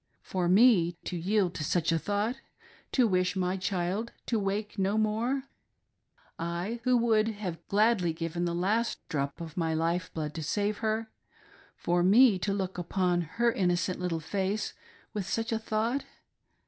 For me to yield to such a thought — to wish my child to wake no more — I, who would have given gladly the last drop of my life blood to save her — for me to look upon her innocent little face with such a thought